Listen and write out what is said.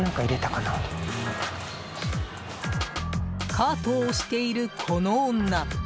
カートを押している、この女。